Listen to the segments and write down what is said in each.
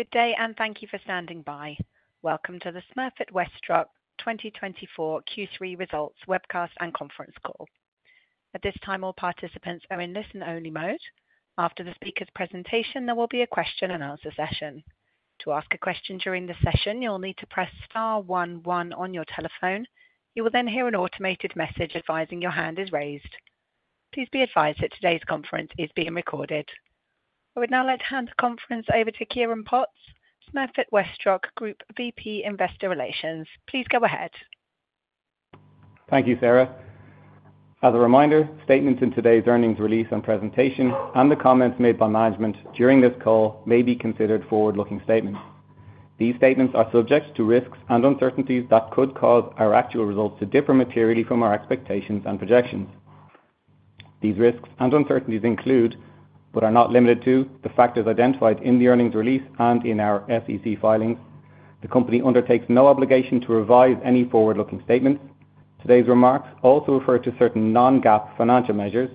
Good day, and thank you for standing by. Welcome to the Smurfit Westrock 2024 Q3 Results Webcast and Conference Call. At this time, all participants are in listen-only mode. After the speaker's presentation, there will be a question and answer session. To ask a question during the session, you'll need to press star 11 on your telephone. You will then hear an automated message advising your hand is raised. Please be advised that today's conference is being recorded. I would now like to hand the conference over to Ciarán Potts, Smurfit WestRock Group VP Investor Relations. Please go ahead. Thank you, Sarah. As a reminder, statements in today's earnings release and presentation, and the comments made by management during this call, may be considered forward-looking statements. These statements are subject to risks and uncertainties that could cause our actual results to differ materially from our expectations and projections. These risks and uncertainties include, but are not limited to, the factors identified in the earnings release and in our SEC filings. The company undertakes no obligation to revise any forward-looking statements. Today's remarks also refer to certain non-GAAP financial measures.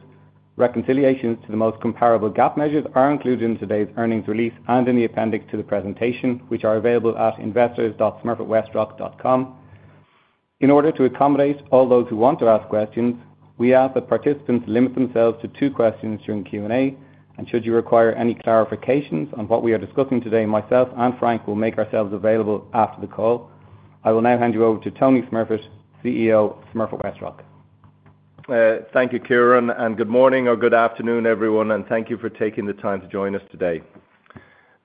Reconciliations to the most comparable GAAP measures are included in today's earnings release and in the appendix to the presentation, which are available at investors.smurfitwestrock.com. In order to accommodate all those who want to ask questions, we ask that participants limit themselves to two questions during Q&A, and should you require any clarifications on what we are discussing today, myself and Frank will make ourselves available after the call. I will now hand you over to Tony Smurfit, CEO of Smurfit Westrock. Thank you, Ciaran, and good morning or good afternoon, everyone, and thank you for taking the time to join us today.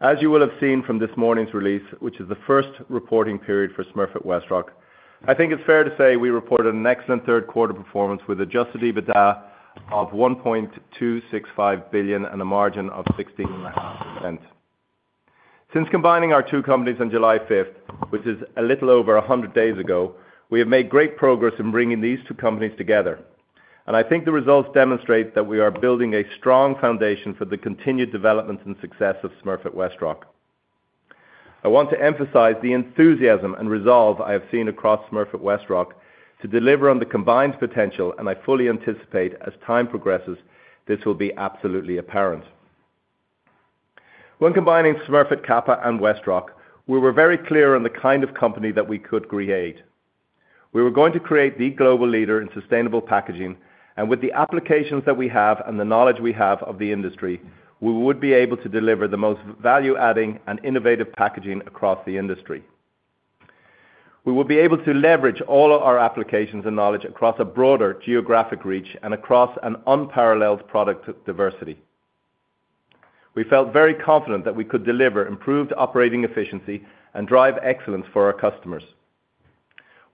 As you will have seen from this morning's release, which is the first reporting period for Smurfit Westrock, I think it's fair to say we reported an excellent third-quarter performance with a adjusted EBITDA of $1.265 billion and a margin of 16.5%. Since combining our two companies on July 5th, which is a little over 100 days ago, we have made great progress in bringing these two companies together, and I think the results demonstrate that we are building a strong foundation for the continued development and success of Smurfit Westrock. I want to emphasize the enthusiasm and resolve I have seen across Smurfit Westrock to deliver on the combined potential, and I fully anticipate as time progresses this will be absolutely apparent. When combining Smurfit Kappa and Westrock, we were very clear on the kind of company that we could create. We were going to create the global leader in sustainable packaging, and with the applications that we have and the knowledge we have of the industry, we would be able to deliver the most value-adding and innovative packaging across the industry. We will be able to leverage all of our applications and knowledge across a broader geographic reach and across an unparalleled product diversity. We felt very confident that we could deliver improved operating efficiency and drive excellence for our customers.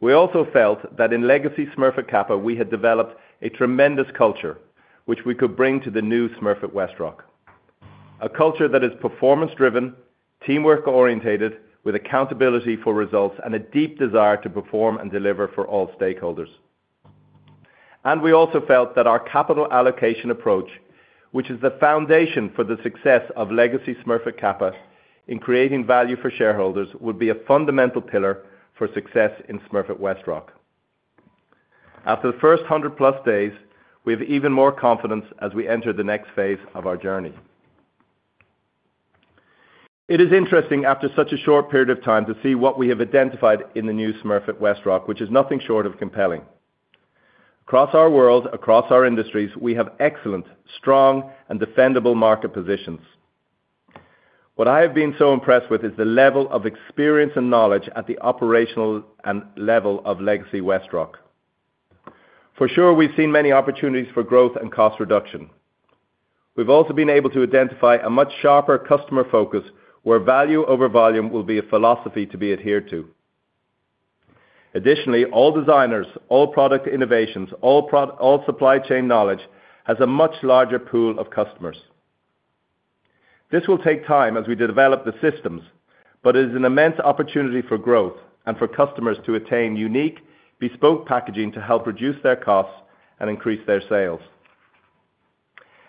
We also felt that in legacy Smurfit Kappa, we had developed a tremendous culture, which we could bring to the new Smurfit Westrock. A culture that is performance-driven, teamwork-oriented, with accountability for results, and a deep desire to perform and deliver for all stakeholders. We also felt that our capital allocation approach, which is the foundation for the success of legacy Smurfit Kappa in creating value for shareholders, would be a fundamental pillar for success in Smurfit Westrock. After the first 100-plus days, we have even more confidence as we enter the next phase of our journey. It is interesting, after such a short period of time, to see what we have identified in the new Smurfit Westrock, which is nothing short of compelling. Across our world, across our industries, we have excellent, strong, and defendable market positions. What I have been so impressed with is the level of experience and knowledge at the operational level of legacy Westrock. For sure, we've seen many opportunities for growth and cost reduction. We've also been able to identify a much sharper customer focus where value over volume will be a philosophy to be adhered to. Additionally, all designers, all product innovations, all supply chain knowledge has a much larger pool of customers. This will take time as we develop the systems, but it is an immense opportunity for growth and for customers to attain unique, bespoke packaging to help reduce their costs and increase their sales.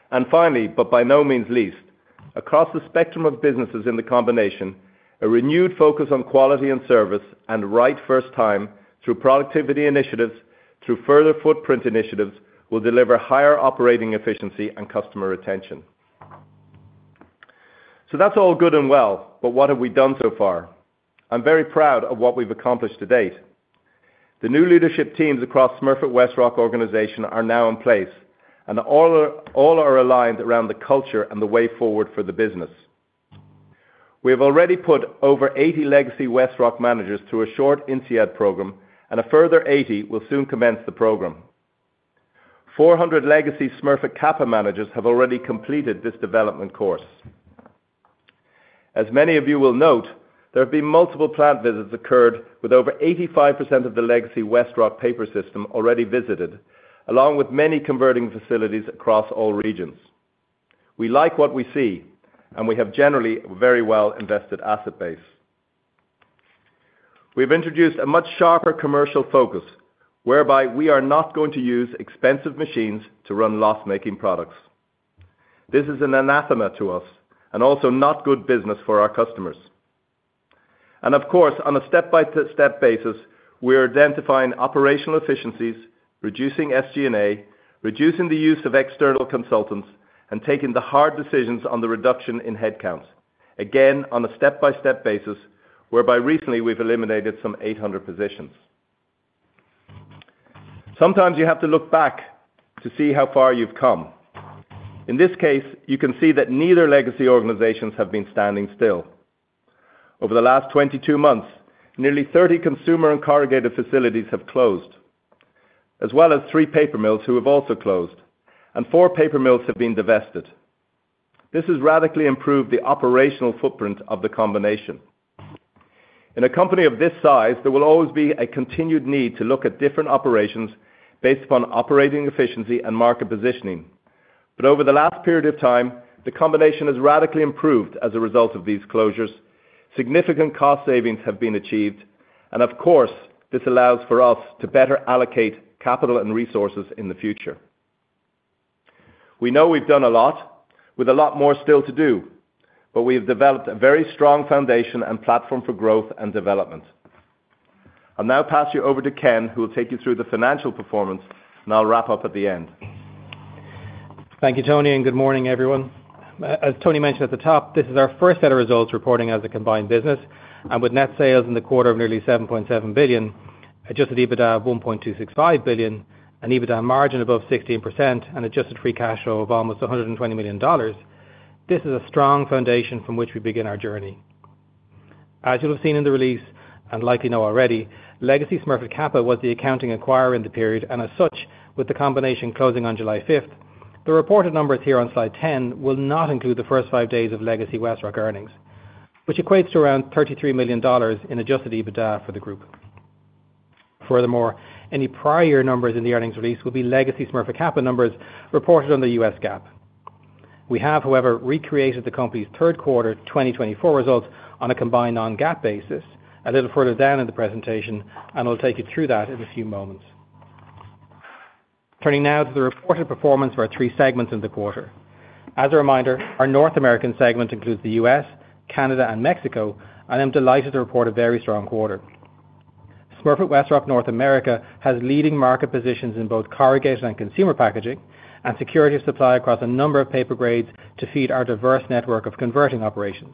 And finally, but by no means least, across the spectrum of businesses in the combination, a renewed focus on quality and service and right first time through productivity initiatives, through further footprint initiatives, will deliver higher operating efficiency and customer retention. So that's all good and well, but what have we done so far? I'm very proud of what we've accomplished to date. The new leadership teams across Smurfit Westrock organization are now in place, and all are aligned around the culture and the way forward for the business. We have already put over 80 legacy Westrock managers through a short INSEAD program, and a further 80 will soon commence the program. 400 legacy Smurfit Kappa managers have already completed this development course. As many of you will note, there have been multiple plant visits occurred with over 85% of the legacy Westrock paper system already visited, along with many converting facilities across all regions. We like what we see, and we have generally a very well-invested asset base. We have introduced a much sharper commercial focus whereby we are not going to use expensive machines to run loss-making products. This is an anathema to us and also not good business for our customers, and of course, on a step-by-step basis, we are identifying operational efficiencies, reducing SG&A, reducing the use of external consultants, and taking the hard decisions on the reduction in headcount. Again, on a step-by-step basis whereby recently we've eliminated some 800 positions. Sometimes you have to look back to see how far you've come. In this case, you can see that neither legacy organizations have been standing still. Over the last 22 months, nearly 30 consumer and corrugated facilities have closed, as well as three paper mills who have also closed, and four paper mills have been divested. This has radically improved the operational footprint of the combination. In a company of this size, there will always be a continued need to look at different operations based upon operating efficiency and market positioning. But over the last period of time, the combination has radically improved as a result of these closures. Significant cost savings have been achieved, and of course, this allows for us to better allocate capital and resources in the future. We know we've done a lot, with a lot more still to do, but we have developed a very strong foundation and platform for growth and development. I'll now pass you over to Ken, who will take you through the financial performance, and I'll wrap up at the end. Thank you, Tony, and good morning, everyone. As Tony mentioned at the top, this is our first set of results reporting as a combined business, and with net sales in the quarter of nearly $7.7 billion, adjusted EBITDA of $1.265 billion, an EBITDA margin above 16%, and adjusted free cash flow of almost $120 million. This is a strong foundation from which we begin our journey. As you'll have seen in the release, and likely know already, legacy Smurfit Kappa was the accounting acquirer in the period, and as such, with the combination closing on July 5th, the reported numbers here on slide 10 will not include the first five days of legacy Westrock earnings, which equates to around $33 million in adjusted EBITDA for the group. Furthermore, any prior numbers in the earnings release will be legacy Smurfit Kappa numbers reported on the U.S. GAAP. We have, however, recreated the company's third-quarter 2024 results on a combined non-GAAP basis a little further down in the presentation, and I'll take you through that in a few moments. Turning now to the reported performance of our three segments in the quarter. As a reminder, our North American segment includes the U.S., Canada, and Mexico, and I'm delighted to report a very strong quarter. Smurfit Westrock North America has leading market positions in both corrugated and consumer packaging and security of supply across a number of paper grades to feed our diverse network of converting operations.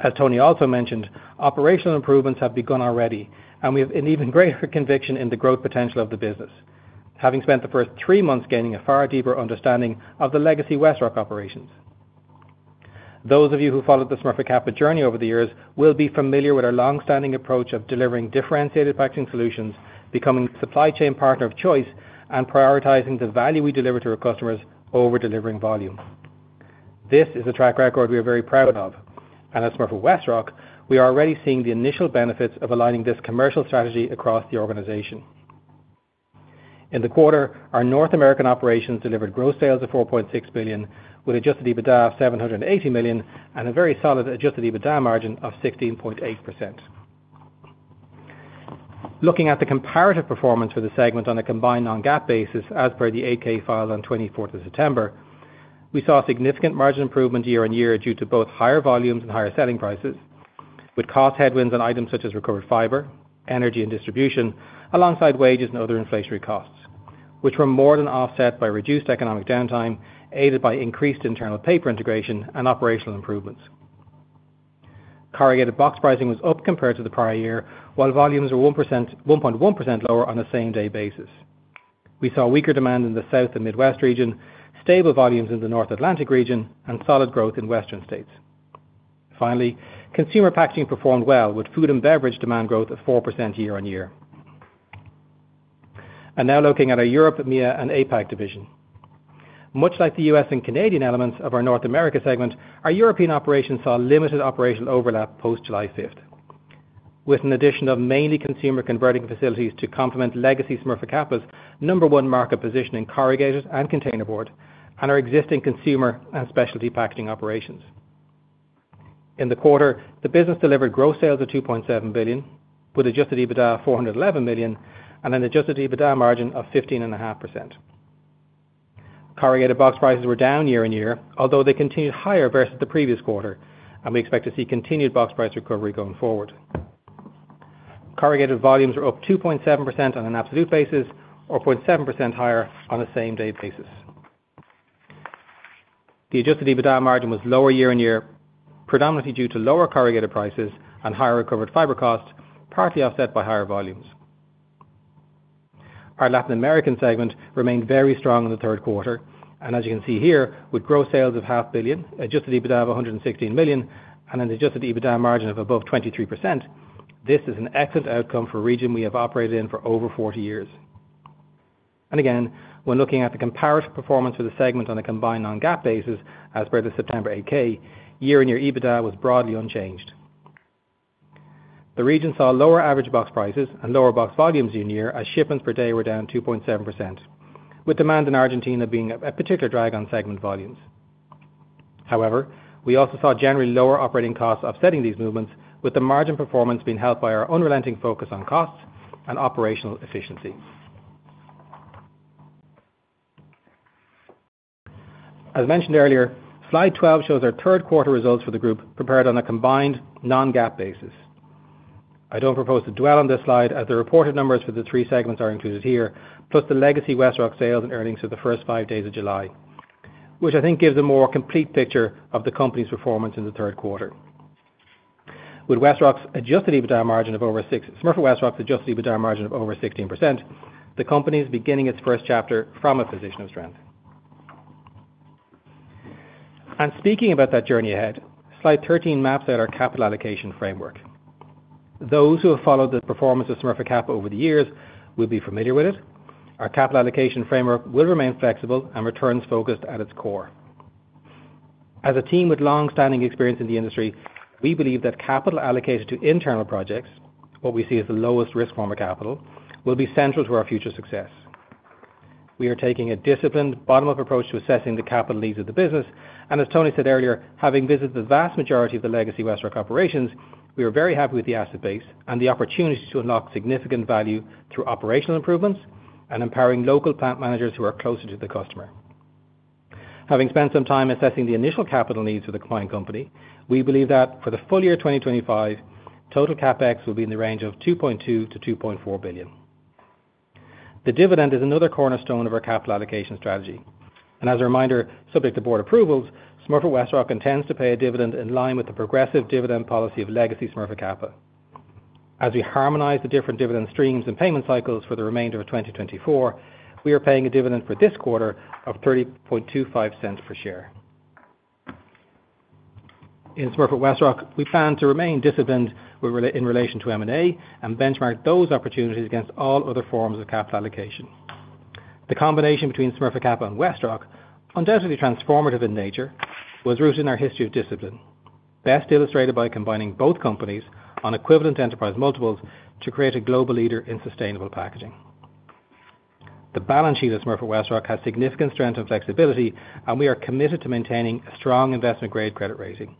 As Tony also mentioned, operational improvements have begun already, and we have an even greater conviction in the growth potential of the business, having spent the first three months gaining a far deeper understanding of the legacy Westrock operations. Those of you who followed the Smurfit Kappa journey over the years will be familiar with our long-standing approach of delivering differentiated packaging solutions, becoming a supply chain partner of choice, and prioritizing the value we deliver to our customers over delivering volume. This is a track record we are very proud of, and at Smurfit Westrock, we are already seeing the initial benefits of aligning this commercial strategy across the organization. In the quarter, our North American operations delivered gross sales of $4.6 billion, with adjusted EBITDA of $780 million, and a very solid adjusted EBITDA margin of 16.8%. Looking at the comparative performance for the segment on a combined non-GAAP basis as per the 8-K file on 24th of September, we saw significant margin improvement year on year due to both higher volumes and higher selling prices, with cost headwinds on items such as recovered fiber, energy and distribution, alongside wages and other inflationary costs, which were more than offset by reduced economic downtime aided by increased internal paper integration and operational improvements. Corrugated box pricing was up compared to the prior year, while volumes were 1.1% lower on a same-day basis. We saw weaker demand in the South and Midwest region, stable volumes in the North Atlantic region, and solid growth in Western states. Finally, consumer packaging performed well, with food and beverage demand growth of 4% year on year, and now looking at our Europe, MEA, and APAC division. Much like the US and Canadian elements of our North America segment, our European operations saw limited operational overlap post-July 5th, with an addition of mainly consumer converting facilities to complement legacy Smurfit Kappa's number one market position in corrugated and container board and our existing consumer and specialty packaging operations. In the quarter, the business delivered gross sales of $2.7 billion, with adjusted EBITDA of $411 million, and an adjusted EBITDA margin of 15.5%. Corrugated box prices were down year on year, although they continued higher versus the previous quarter, and we expect to see continued box price recovery going forward. Corrugated volumes were up 2.7% on an absolute basis or 0.7% higher on a same-day basis. The adjusted EBITDA margin was lower year on year, predominantly due to lower corrugated prices and higher recovered fiber costs, partly offset by higher volumes. Our Latin American segment remained very strong in the third quarter, and as you can see here, with gross sales of $500 million, adjusted EBITDA of $116 million, and an adjusted EBITDA margin of above 23%, this is an excellent outcome for a region we have operated in for over 40 years. Again, when looking at the comparative performance for the segment on a combined non-GAAP basis as per the September 8-K, year-on-year EBITDA was broadly unchanged. The region saw lower average box prices and lower box volumes year-on-year as shipments per day were down 2.7%, with demand in Argentina being a particular drag on segment volumes. However, we also saw generally lower operating costs offsetting these movements, with the margin performance being helped by our unrelenting focus on costs and operational efficiency. As mentioned earlier, slide 12 shows our third quarter results for the group prepared on a combined non-GAAP basis. I don't propose to dwell on this slide as the reported numbers for the three segments are included here, plus the legacy Westrock sales and earnings for the first five days of July, which I think gives a more complete picture of the company's performance in the third quarter. With Westrock's adjusted EBITDA margin of over 6%, Smurfit Westrock's adjusted EBITDA margin of over 16%, the company is beginning its first chapter from a position of strength, and speaking about that journey ahead, slide 13 maps out our capital allocation framework. Those who have followed the performance of Smurfit Kappa over the years will be familiar with it. Our capital allocation framework will remain flexible and returns focused at its core. As a team with long-standing experience in the industry, we believe that capital allocated to internal projects, what we see as the lowest risk form of capital, will be central to our future success. We are taking a disciplined, bottom-up approach to assessing the capital needs of the business, and as Tony said earlier, having visited the vast majority of the legacy Westrock operations, we are very happy with the asset base and the opportunity to unlock significant value through operational improvements and empowering local plant managers who are closer to the customer. Having spent some time assessing the initial capital needs of the combined company, we believe that for the full year 2025, total CapEx will be in the range of $2.2-2.4 billion. The dividend is another cornerstone of our capital allocation strategy. As a reminder, subject to board approvals, Smurfit Westrock intends to pay a dividend in line with the progressive dividend policy of legacy Smurfit Kappa. As we harmonize the different dividend streams and payment cycles for the remainder of 2024, we are paying a dividend for this quarter of $0.3025 per share. In Smurfit Westrock, we plan to remain disciplined in relation to M&A and benchmark those opportunities against all other forms of capital allocation. The combination between Smurfit Kappa and Westrock, undoubtedly transformative in nature, was rooted in our history of discipline, best illustrated by combining both companies on equivalent enterprise multiples to create a global leader in sustainable packaging. The balance sheet of Smurfit Westrock has significant strength and flexibility, and we are committed to maintaining a strong investment-grade credit rating.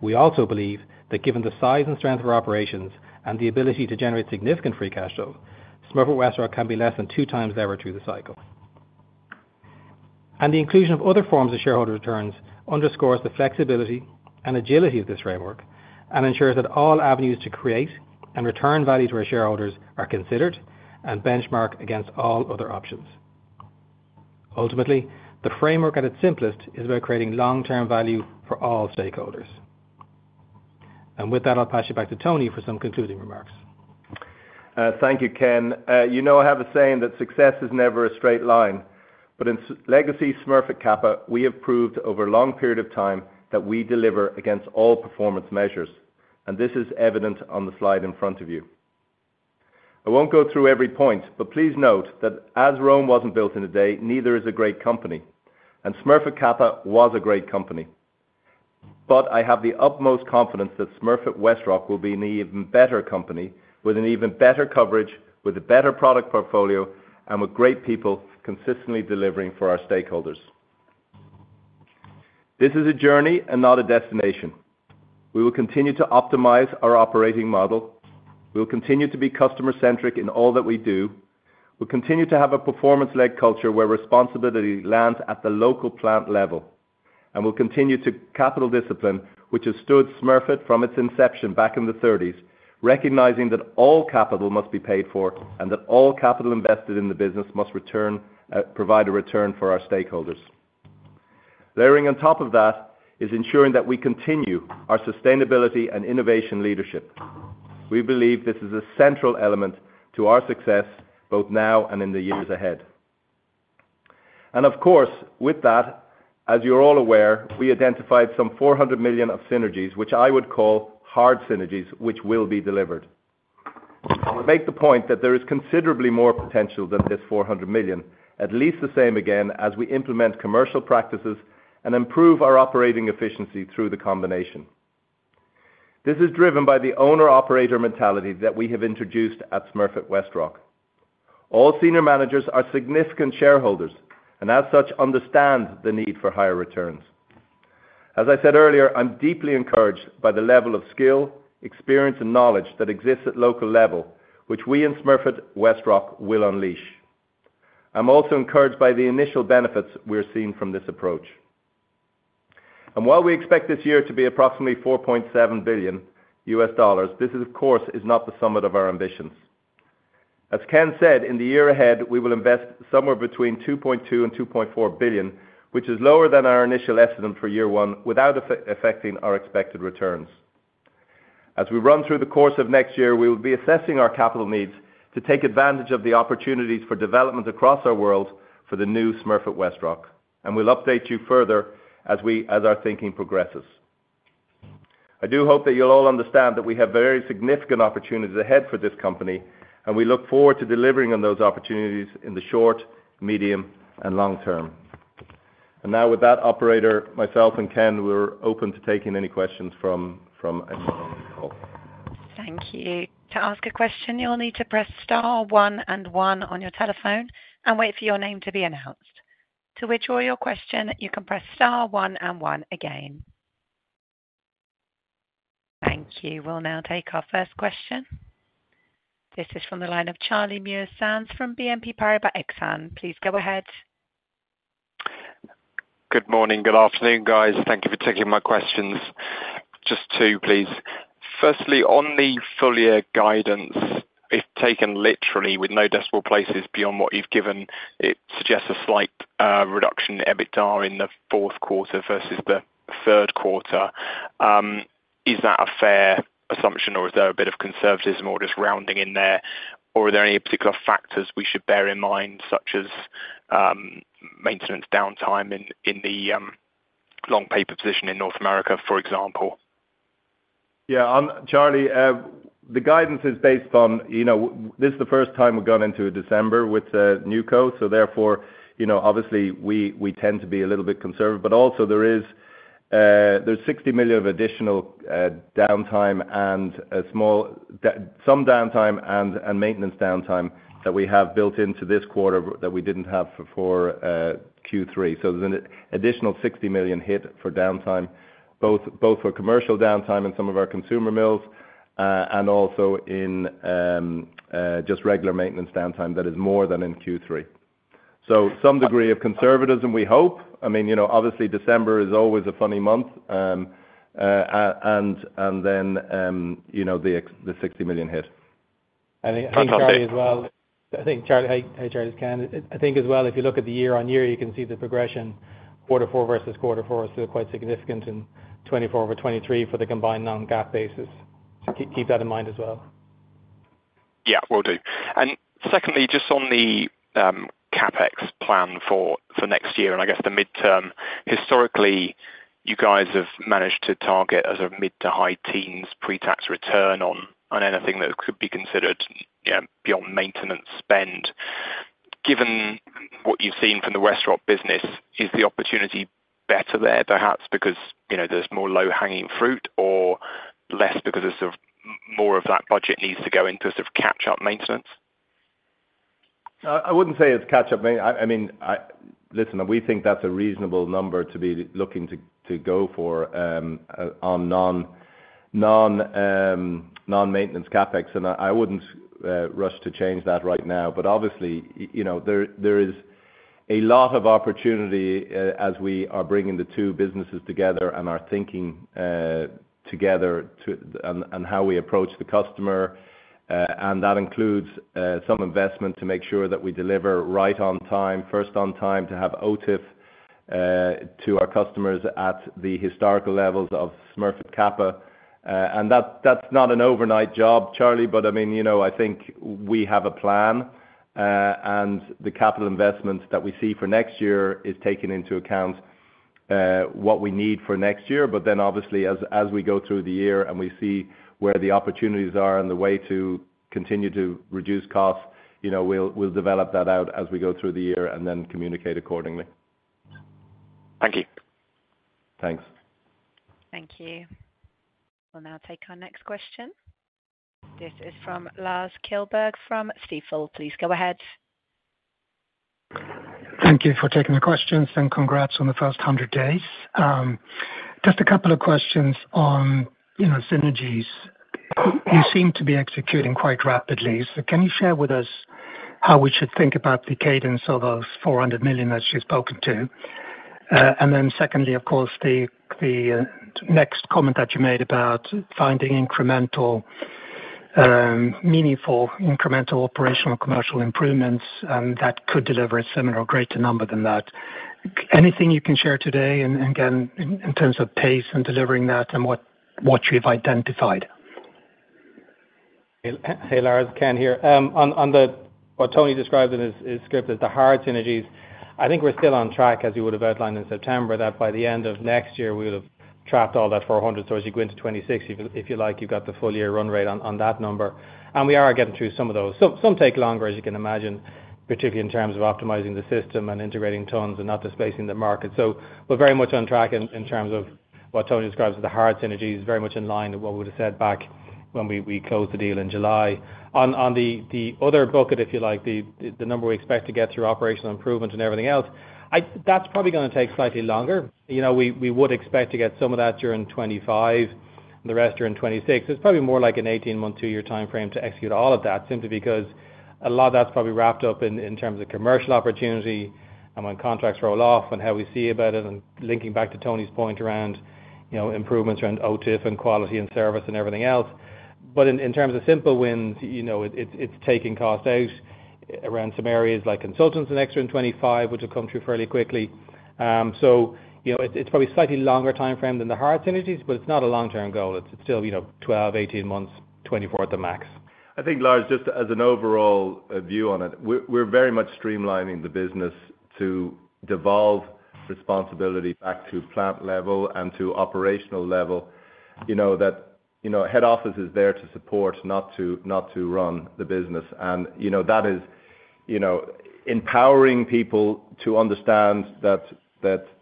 We also believe that given the size and strength of our operations and the ability to generate significant free cash flow, Smurfit Westrock can be less than two times ever through the cycle. And the inclusion of other forms of shareholder returns underscores the flexibility and agility of this framework and ensures that all avenues to create and return value to our shareholders are considered and benchmarked against all other options. Ultimately, the framework at its simplest is about creating long-term value for all stakeholders. And with that, I'll pass you back to Tony for some concluding remarks. Thank you, Ken. You know I have a saying that success is never a straight line, but in legacy Smurfit Kappa, we have proved over a long period of time that we deliver against all performance measures, and this is evident on the slide in front of you. I won't go through every point, but please note that as Rome wasn't built in a day, neither is a great company, and Smurfit Kappa was a great company. But I have the utmost confidence that Smurfit Westrock will be an even better company with an even better coverage, with a better product portfolio, and with great people consistently delivering for our stakeholders. This is a journey and not a destination. We will continue to optimize our operating model. We'll continue to be customer-centric in all that we do. We'll continue to have a performance-led culture where responsibility lands at the local plant level, and we'll continue to capital discipline, which has stood Smurfit from its inception back in the 1930s, recognizing that all capital must be paid for and that all capital invested in the business must provide a return for our stakeholders. Layering on top of that is ensuring that we continue our sustainability and innovation leadership. We believe this is a central element to our success both now and in the years ahead. And of course, with that, as you're all aware, we identified some $400 million of synergies, which I would call hard synergies, which will be delivered. I'll make the point that there is considerably more potential than this $400 million, at least the same again, as we implement commercial practices and improve our operating efficiency through the combination. This is driven by the owner-operator mentality that we have introduced at Smurfit Westrock. All senior managers are significant shareholders and, as such, understand the need for higher returns. As I said earlier, I'm deeply encouraged by the level of skill, experience, and knowledge that exists at local level, which we in Smurfit Westrock will unleash. I'm also encouraged by the initial benefits we are seeing from this approach. And while we expect this year to be approximately $4.7 billion, this, of course, is not the summit of our ambitions. As Ken said, in the year ahead, we will invest somewhere between $2.2 billion and $2.4 billion, which is lower than our initial estimate for year one without affecting our expected returns. As we run through the course of next year, we will be assessing our capital needs to take advantage of the opportunities for development across our world for the new Smurfit Westrock, and we'll update you further as our thinking progresses. I do hope that you'll all understand that we have very significant opportunities ahead for this company, and we look forward to delivering on those opportunities in the short, medium, and long term. And now, with that, Operator, myself, and Ken, we're open to taking any questions from anyone on the call. Thank you. To ask a question, you'll need to press Star 1 and 1 on your telephone and wait for your name to be announced. To withdraw your question, you can press Star 1 and 1 again. Thank you. We'll now take our first question. This is from the line of Charlie Muir-Sands from BNP Paribas Exane. Please go ahead. Good morning. Good afternoon, guys. Thank you for taking my questions. Just two, please. Firstly, on the full year guidance, if taken literally with no decimal places beyond what you've given, it suggests a slight reduction in EBITDA in the fourth quarter versus the third quarter. Is that a fair assumption, or is there a bit of conservatism or just rounding in there? Or are there any particular factors we should bear in mind, such as maintenance downtime in the long paper position in North America, for example? Yeah. Charlie, the guidance is based on this is the first time we're going into December with NewCo, so therefore, obviously, we tend to be a little bit conservative. But also, there's $60 million of additional downtime and some downtime and maintenance downtime that we have built into this quarter that we didn't have before Q3. So there's an additional $60 million hit for downtime, both for commercial downtime in some of our consumer mills and also in just regular maintenance downtime that is more than in Q3. So some degree of conservatism, we hope. I mean, obviously, December is always a funny month, and then the $60 million hit. Thanks, Charlie, as well. I think, Charlie, ask Ken. I think, as well, if you look at the year-on-year, you can see the progression quarter four versus quarter four is still quite significant in 2024 over 2023 for the combined non-GAAP basis. So keep that in mind as well. Yeah, will do. And secondly, just on the CapEx plan for next year and I guess the midterm, historically, you guys have managed to target a sort of mid to high teens pre-tax return on anything that could be considered beyond maintenance spend. Given what you've seen from the Westrock business, is the opportunity better there, perhaps, because there's more low-hanging fruit or less because more of that budget needs to go into sort of catch-up maintenance? I wouldn't say it's catch-up. I mean, listen, we think that's a reasonable number to be looking to go for on non-maintenance CapEx, and I wouldn't rush to change that right now. But obviously, there is a lot of opportunity as we are bringing the two businesses together and our thinking together and how we approach the customer. And that includes some investment to make sure that we deliver right on time, first on time, to have OTIF to our customers at the historical levels of Smurfit Kappa. And that's not an overnight job, Charlie, but I mean, I think we have a plan, and the capital investments that we see for next year are taking into account what we need for next year. But then, obviously, as we go through the year and we see where the opportunities are and the way to continue to reduce costs, we'll develop that out as we go through the year and then communicate accordingly. Thank you. Thanks. Thank you. We'll now take our next question. This is from Lars Kjellberg from Stifel. Please go ahead. Thank you for taking the questions and congrats on the first 100 days. Just a couple of questions on synergies. You seem to be executing quite rapidly. So can you share with us how we should think about the cadence of those $400 million that you've spoken to? And then secondly, of course, the next comment that you made about finding meaningful incremental operational commercial improvements that could deliver a similar or greater number than that. Anything you can share today, again, in terms of pace and delivering that and what you've identified? Hey, Lars. Ken here. On what Tony described in his script as the hard synergies, I think we're still on track, as you would have outlined in September, that by the end of next year, we would have captured all that 400. So as you go into 2026, if you like, you've got the full year run rate on that number. And we are getting through some of those. Some take longer, as you can imagine, particularly in terms of optimizing the system and integrating tons and not displacing the market. So we're very much on track in terms of what Tony describes as the hard synergies, very much in line with what we would have said back when we closed the deal in July. On the other bucket, if you like, the number we expect to get through operational improvements and everything else, that's probably going to take slightly longer. We would expect to get some of that during 2025 and the rest during 2026. It's probably more like an 18-month, two-year timeframe to execute all of that simply because a lot of that's probably wrapped up in terms of commercial opportunity and when contracts roll off and how we see about it and linking back to Tony's point around improvements around OTIF and quality and service and everything else. But in terms of simple wins, it's taking cost out around some areas like consultants and extra in 2025, which will come through fairly quickly. So it's probably a slightly longer timeframe than the hard synergies, but it's not a long-term goal. It's still 12, 18 months, 24 at the max. I think, Lars, just as an overall view on it, we're very much streamlining the business to devolve responsibility back to plant level and to operational level, that head office is there to support, not to run the business, and that is empowering people to understand that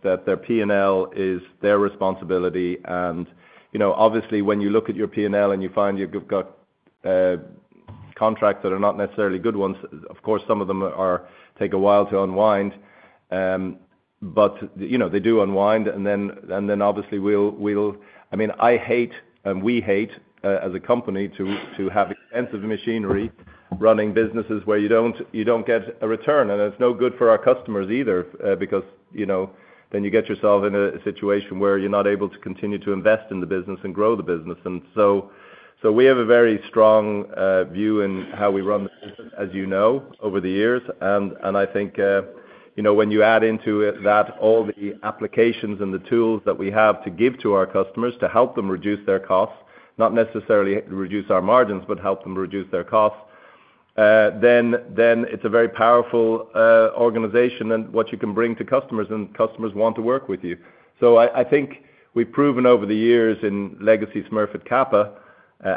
their P&L is their responsibility. And obviously, when you look at your P&L and you find you've got contracts that are not necessarily good ones, of course, some of them take a while to unwind, but they do unwind, and then obviously, we'll—I mean, I hate, and we hate, as a company, to have expensive machinery running businesses where you don't get a return, and it's no good for our customers either because then you get yourself in a situation where you're not able to continue to invest in the business and grow the business. And so we have a very strong view in how we run the business, as you know, over the years. And I think when you add into that all the applications and the tools that we have to give to our customers to help them reduce their costs, not necessarily reduce our margins, but help them reduce their costs, then it's a very powerful organization and what you can bring to customers, and customers want to work with you. So I think we've proven over the years in legacy Smurfit Kappa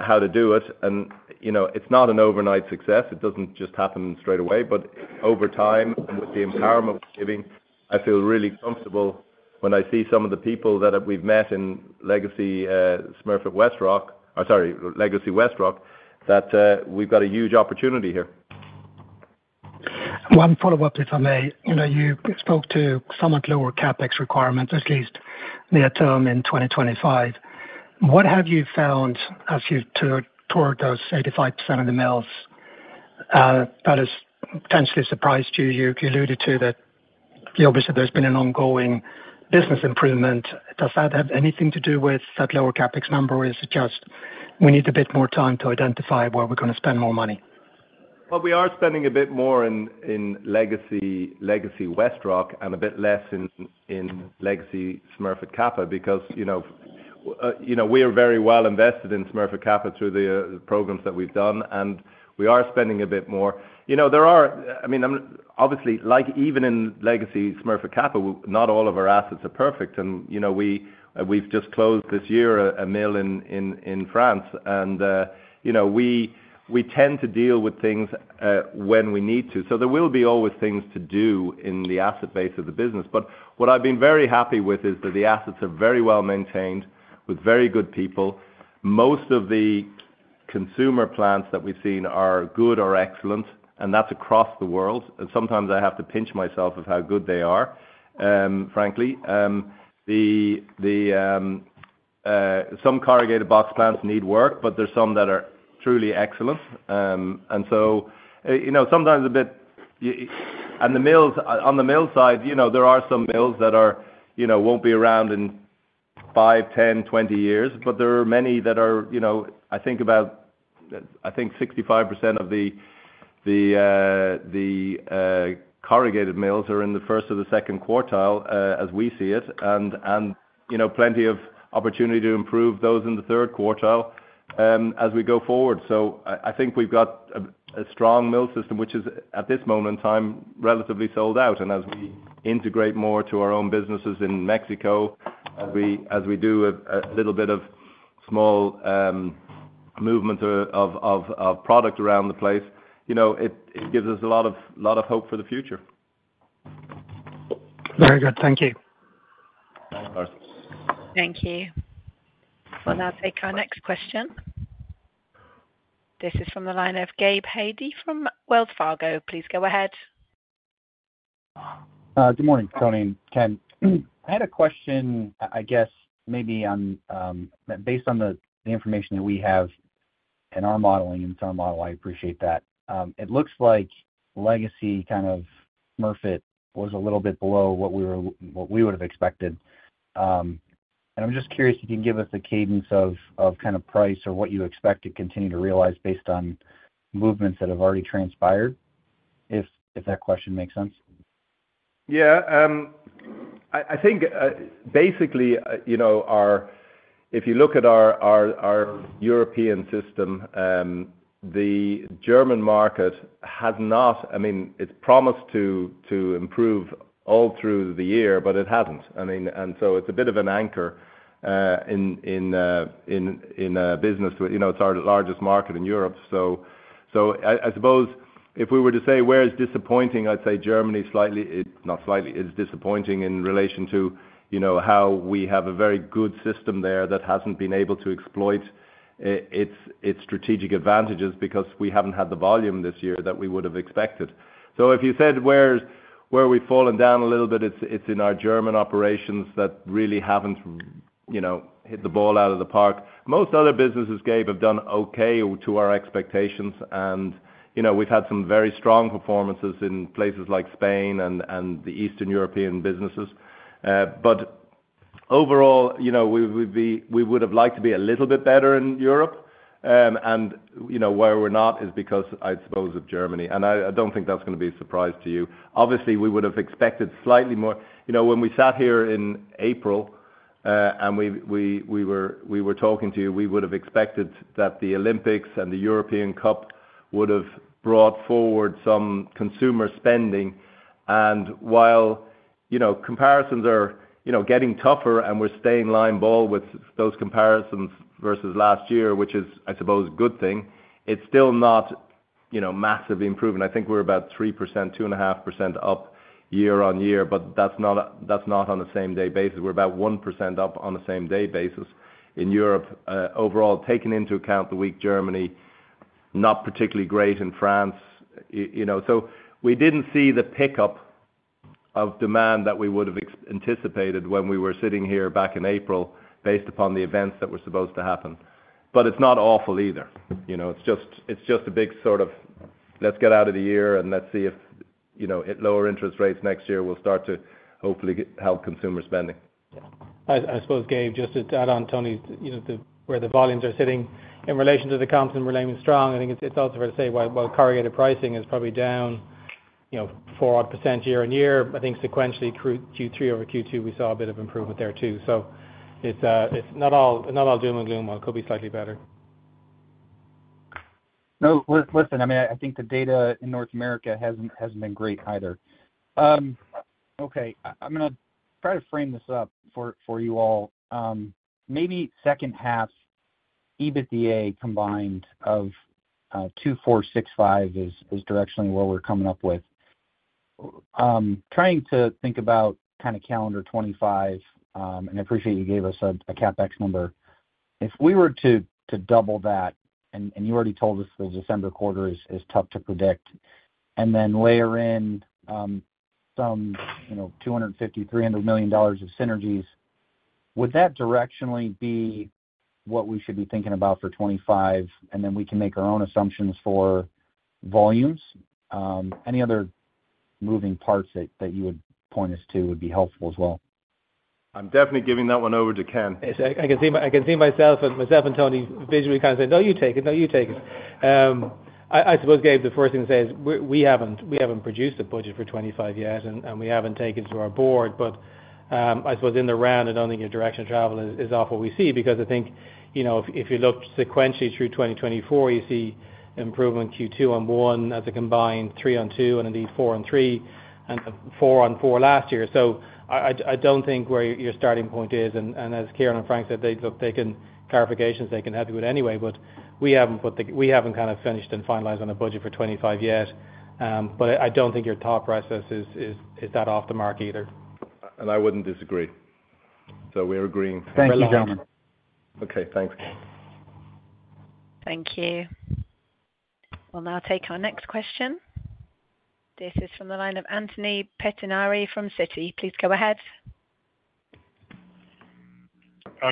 how to do it. And it's not an overnight success. It doesn't just happen straight away, but over time and with the empowerment we're giving, I feel really comfortable when I see some of the people that we've met in legacy Smurfit Westrock, sorry, legacy Westrock, that we've got a huge opportunity here. One follow-up, if I may. You spoke to somewhat lower CapEx requirements, at least near term in 2025. What have you found as you toured those 85% of the mills that has potentially surprised you? You alluded to that obviously there's been an ongoing business improvement. Does that have anything to do with that lower CapEx number, or is it just we need a bit more time to identify where we're going to spend more money? We are spending a bit more in legacy Westrock and a bit less in legacy Smurfit Kappa because we are very well invested in Smurfit Kappa through the programs that we've done, and we are spending a bit more. I mean, obviously, like even in legacy Smurfit Kappa, not all of our assets are perfect, and we've just closed this year a mill in France, and we tend to deal with things when we need to, so there will be always things to do in the asset base of the business, but what I've been very happy with is that the assets are very well maintained with very good people. Most of the consumer plants that we've seen are good or excellent, and that's across the world, and sometimes I have to pinch myself of how good they are, frankly. Some corrugated box plants need work, but there's some that are truly excellent, and so sometimes a bit, and on the mill side, there are some mills that won't be around in five, 10, 20 years, but there are many that are, I think about, I think, 65% of the corrugated mills are in the first or the second quartile, as we see it, and plenty of opportunity to improve those in the third quartile as we go forward, so I think we've got a strong mill system, which is, at this moment in time, relatively sold out, and as we integrate more to our own businesses in Mexico, as we do a little bit of small movement of product around the place, it gives us a lot of hope for the future. Very good. Thank you. Thanks, Lars. Thank you. We'll now take our next question. This is from the line of Gabe Hajde from Wells Fargo. Please go ahead. Good morning, Tony and Ken. I had a question, I guess, maybe based on the information that we have in our modeling and to our model. I appreciate that. It looks like legacy kind of Smurfit was a little bit below what we would have expected, and I'm just curious if you can give us a cadence of kind of price or what you expect to continue to realize based on movements that have already transpired, if that question makes sense. Yeah. I think, basically, if you look at our European system, the German market has not, I mean, it's promised to improve all through the year, but it hasn't. I mean, and so it's a bit of an anchor in business. It's our largest market in Europe. So I suppose if we were to say where it's disappointing, I'd say Germany slightly, not slightly, is disappointing in relation to how we have a very good system there that hasn't been able to exploit its strategic advantages because we haven't had the volume this year that we would have expected. So if you said where we've fallen down a little bit, it's in our German operations that really haven't hit the ball out of the park. Most other businesses, Gabe, have done okay to our expectations, and we've had some very strong performances in places like Spain and the Eastern European businesses. But overall, we would have liked to be a little bit better in Europe, and where we're not is because, I suppose, of Germany. And I don't think that's going to be a surprise to you. Obviously, we would have expected slightly more when we sat here in April and we were talking to you, we would have expected that the Olympics and the European Cup would have brought forward some consumer spending. And while comparisons are getting tougher and we're staying line ball with those comparisons versus last year, which is, I suppose, a good thing, it's still not massively improving. I think we're about 3%, 2.5% up year on year, but that's not on a same-day basis. We're about 1% up on a same-day basis in Europe, overall, taking into account the weak Germany, not particularly great in France. So we didn't see the pickup of demand that we would have anticipated when we were sitting here back in April based upon the events that were supposed to happen. But it's not awful either. It's just a big sort of, "Let's get out of the year and let's see if lower interest rates next year will start to hopefully help consumer spending. Yeah. I suppose, Gabe, just to add on, Tony, where the volumes are sitting in relation to the comps and remaining strong, I think it's also fair to say, well, corrugated pricing is probably down 4-odd% year on year. I think sequentially, Q3 over Q2, we saw a bit of improvement there too. So it's not all doom and gloom. It could be slightly better. No. Listen, I mean, I think the data in North America hasn't been great either. Okay. I'm going to try to frame this up for you all. Maybe second half, EBITDA combined of $2.465 billion is directionally where we're coming up with. Trying to think about kind of calendar 2025, and I appreciate you gave us a CapEx number. If we were to double that, and you already told us the December quarter is tough to predict, and then layer in some $250-$300 million of synergies, would that directionally be what we should be thinking about for 2025? And then we can make our own assumptions for volumes. Any other moving parts that you would point us to would be helpful as well? I'm definitely giving that one over to Ken. I can see myself and Tony visually kind of saying, "No, you take it. No, you take it." I suppose, Gabe, the first thing to say is we haven't produced a budget for 2025 yet, and we haven't taken it to our board. But I suppose in the round, and only your direction of travel is what we see because I think if you look sequentially through 2024, you see improvement Q2 on Q1 as a combined, Q3 on Q2, and indeed Q4 on Q3, and Q4 on Q4 last year. So I don't think where your starting point is. And as Ciaran and Frank said, the clarifications they can help you with anyway, but we haven't kind of finished and finalized on a budget for 2025 yet. But I don't think your top process is that off the mark either. And I wouldn't disagree. So we're agreeing. Thank you, gentlemen. Okay. Thanks. Thank you. We'll now take our next question. This is from the line of Anthony Pettinari from Citi. Please go ahead.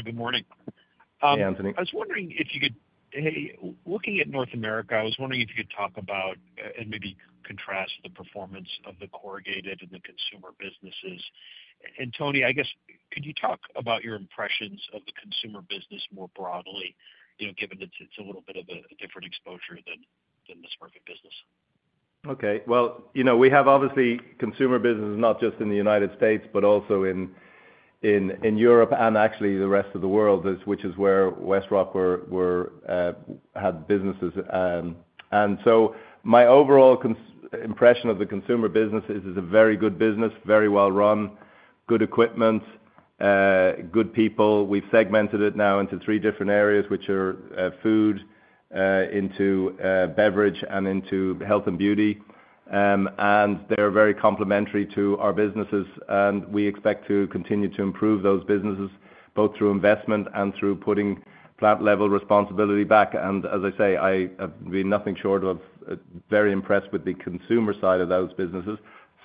Good morning. Hey, Anthony. Looking at North America, I was wondering if you could talk about and maybe contrast the performance of the corrugated and the consumer businesses, and Tony, I guess, could you talk about your impressions of the consumer business more broadly, given that it's a little bit of a different exposure than the Smurfit business? Okay. Well, we have obviously consumer businesses not just in the United States, but also in Europe and actually the rest of the world, which is where Westrock had businesses. And so my overall impression of the consumer businesses is a very good business, very well run, good equipment, good people. We have segmented it now into three different areas, which are food, into beverage, and into health and beauty. And they are very complementary to our businesses. And we expect to continue to improve those businesses, both through investment and through putting plant-level responsibility back. And as I say, I have been nothing short of very impressed with the consumer side of those businesses.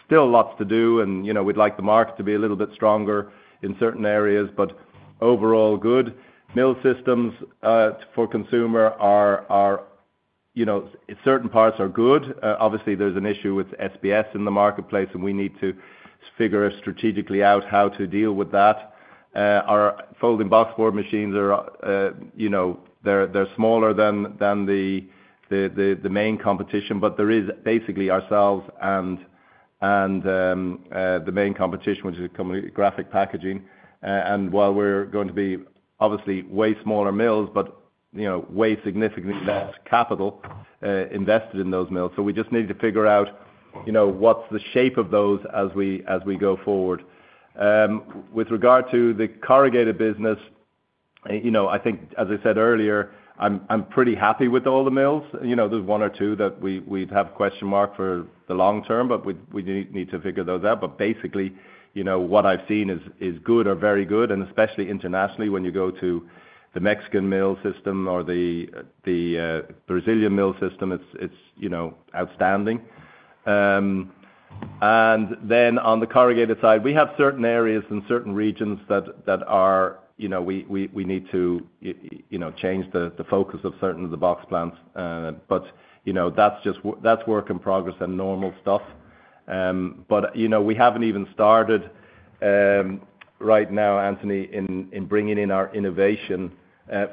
Still lots to do, and we would like the market to be a little bit stronger in certain areas, but overall good. Mill systems for consumer are, certain parts are good. Obviously, there's an issue with SBS in the marketplace, and we need to figure strategically out how to deal with that. Our folding boxboard machines, they're smaller than the main competition, but there is basically ourselves and the main competition, which is Graphic Packaging, and while we're going to be obviously way smaller mills, but way significantly less capital invested in those mills, so we just need to figure out what's the shape of those as we go forward. With regard to the corrugated business, I think, as I said earlier, I'm pretty happy with all the mills. There's one or two that we'd have a question mark for the long term, but we need to figure those out, but basically, what I've seen is good or very good, and especially internationally, when you go to the Mexican mill system or the Brazilian mill system, it's outstanding. And then on the corrugated side, we have certain areas and certain regions that we need to change the focus of certain of the box plants. But that's work in progress and normal stuff. But we haven't even started right now, Anthony, in bringing in our innovation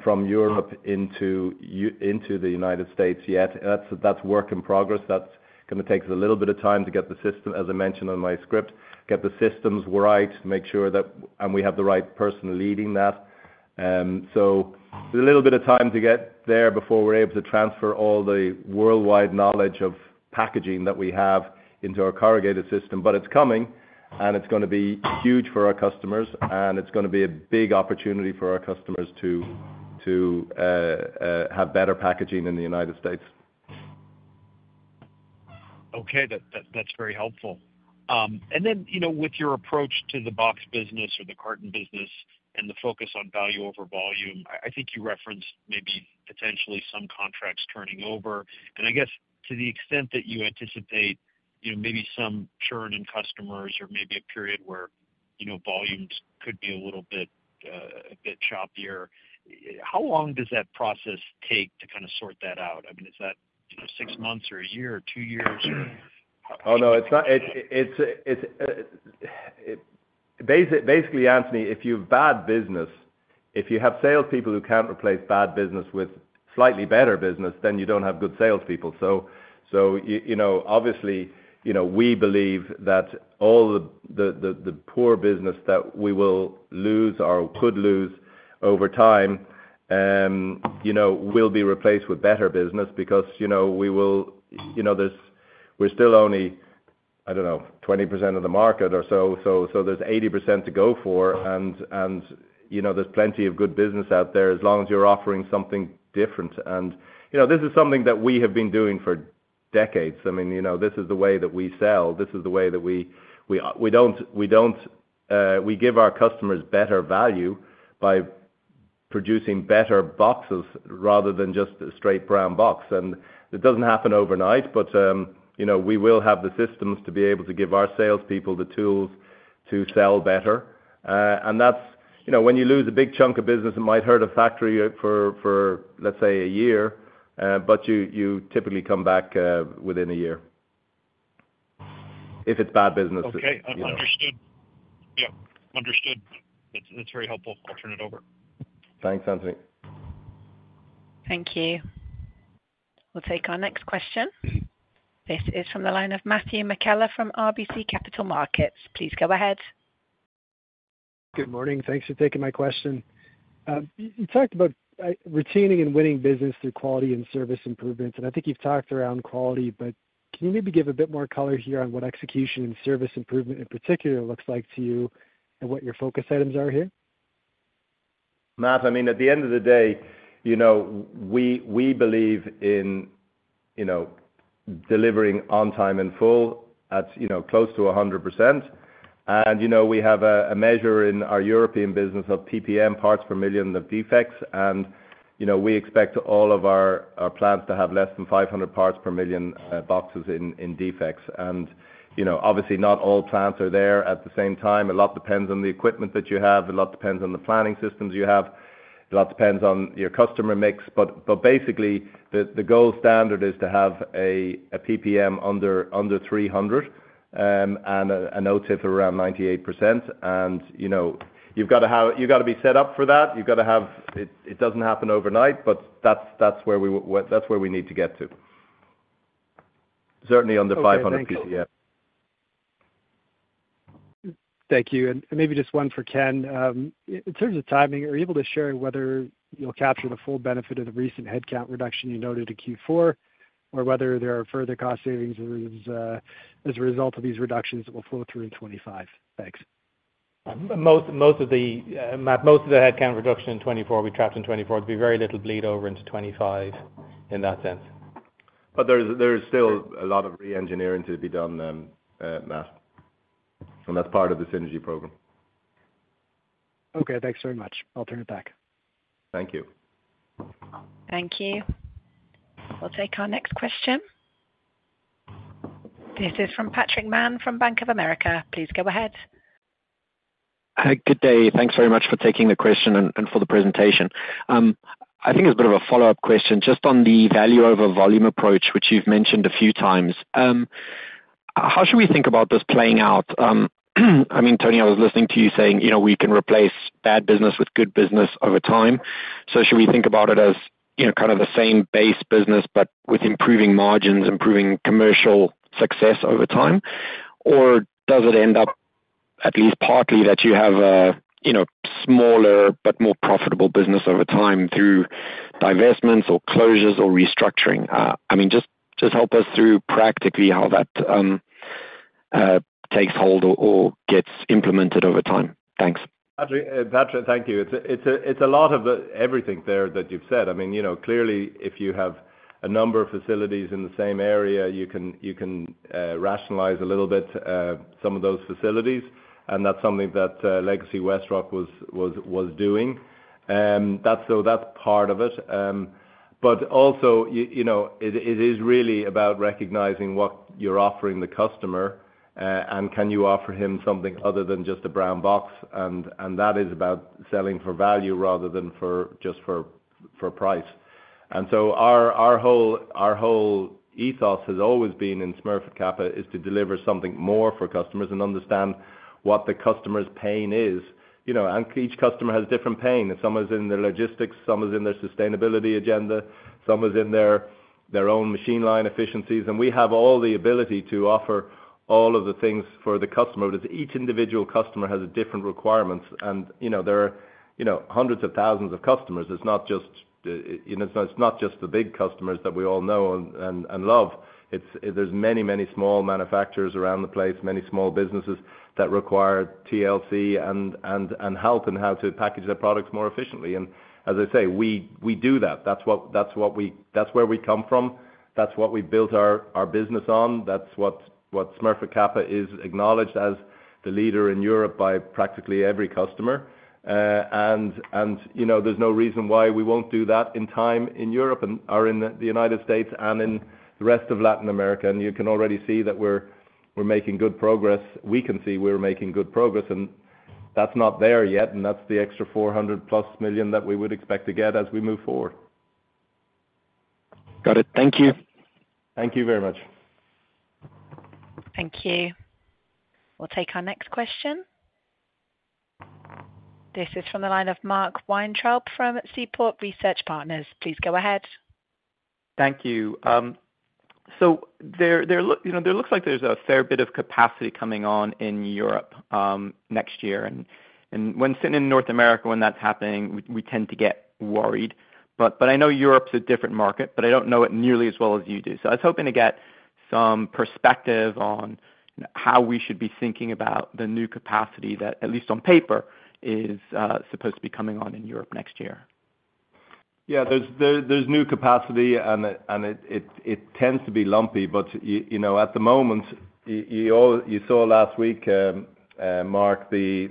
from Europe into the United States yet. That's work in progress. That's going to take us a little bit of time to get the system, as I mentioned on my script, get the systems right, make sure that we have the right person leading that. So a little bit of time to get there before we're able to transfer all the worldwide knowledge of packaging that we have into our corrugated system. But it's coming, and it's going to be huge for our customers, and it's going to be a big opportunity for our customers to have better packaging in the United States. Okay. That's very helpful, and then with your approach to the box business or the carton business and the focus on value over volume, I think you referenced maybe potentially some contracts turning over. And I guess to the extent that you anticipate maybe some churn in customers or maybe a period where volumes could be a little bit choppier, how long does that process take to kind of sort that out? I mean, is that six months or a year or two years or? Oh, no. Basically, Anthony, if you have bad business, if you have salespeople who can't replace bad business with slightly better business, then you don't have good salespeople. So obviously, we believe that all the poor business that we will lose or could lose over time will be replaced with better business because we will—we're still only, I don't know, 20% of the market or so. So there's 80% to go for, and there's plenty of good business out there as long as you're offering something different. And this is something that we have been doing for decades. I mean, this is the way that we sell. This is the way that we don't—we give our customers better value by producing better boxes rather than just a straight brown box. And it doesn't happen overnight, but we will have the systems to be able to give our salespeople the tools to sell better. And when you lose a big chunk of business, it might hurt a factory for, let's say, a year, but you typically come back within a year if it's bad business. Okay. Understood. Yep. Understood. That's very helpful. I'll turn it over. Thanks, Anthony. Thank you. We'll take our next question. This is from the line of Matthew McKellar from RBC Capital Markets. Please go ahead. Good morning. Thanks for taking my question. You talked about retaining and winning business through quality and service improvements. And I think you've talked around quality, but can you maybe give a bit more color here on what execution and service improvement in particular looks like to you and what your focus items are here? Matt, I mean, at the end of the day, we believe in delivering on time and full at close to 100%. And we have a measure in our European business of PPM, parts per million of defects. And we expect all of our plants to have less than 500 parts per million boxes in defects. And obviously, not all plants are there at the same time. A lot depends on the equipment that you have. A lot depends on the planning systems you have. A lot depends on your customer mix. But basically, the gold standard is to have a PPM under 300 and an OTIF of around 98%. And you've got to have—you've got to be set up for that. You've got to have—it doesn't happen overnight, but that's where we need to get to. Certainly under 500 PPM. Thank you. And maybe just one for Ken. In terms of timing, are you able to share whether you'll capture the full benefit of the recent headcount reduction you noted in Q4 or whether there are further cost savings as a result of these reductions that will flow through in 2025? Thanks. Most of the headcount reduction in 2024, we tracked in 2024. There'd be very little bleed over into 2025 in that sense. But there's still a lot of re-engineering to be done, Matt, and that's part of the synergy program. Okay. Thanks very much. I'll turn it back. Thank you. Thank you. We'll take our next question. This is from. Please go ahead. Good day. Thanks very much for taking the question and for the presentation. I think it's a bit of a follow-up question just on the value over volume approach, which you've mentioned a few times. How should we think about this playing out? I mean, Tony, I was listening to you saying we can replace bad business with good business over time. So should we think about it as kind of the same base business, but with improving margins, improving commercial success over time? Or does it end up at least partly that you have a smaller but more profitable business over time through divestments or closures or restructuring? I mean, just help us through practically how that takes hold or gets implemented over time. Thanks. Patrick, thank you. It's a lot of everything there that you've said. I mean, clearly, if you have a number of facilities in the same area, you can rationalize a little bit some of those facilities. And that's something that Legacy Westrock was doing. So that's part of it. But also, it is really about recognizing what you're offering the customer, and can you offer him something other than just a brown box? And that is about selling for value rather than just for price. And so our whole ethos has always been in Smurfit Kappa is to deliver something more for customers and understand what the customer's pain is. And each customer has a different pain. Someone's in their logistics, someone's in their sustainability agenda, someone's in their own machine line efficiencies. We have all the ability to offer all of the things for the customer, but each individual customer has different requirements. There are hundreds of thousands of customers. It's not just, it's not just the big customers that we all know and love. There's many, many small manufacturers around the place, many small businesses that require TLC and help in how to package their products more efficiently. As I say, we do that. That's what we, that's where we come from. That's what we built our business on. That's what Smurfit Kappa is acknowledged as the leader in Europe by practically every customer. There's no reason why we won't do that in time in Europe and the United States and in the rest of Latin America. You can already see that we're making good progress. We can see we're making good progress. That's not there yet, and that's the extra $400-plus million that we would expect to get as we move forward. Got it. Thank you. Thank you very much. Thank you. We'll take our next question. This is from the line of Mark Weintraub from Seaport Research Partners. Please go ahead. Thank you. So there looks like there's a fair bit of capacity coming on in Europe next year. And when sitting in North America when that's happening, we tend to get worried. But I know Europe's a different market, but I don't know it nearly as well as you do. So I was hoping to get some perspective on how we should be thinking about the new capacity that, at least on paper, is supposed to be coming on in Europe next year. Yeah. There's new capacity, and it tends to be lumpy. But at the moment, you saw last week, Mark, the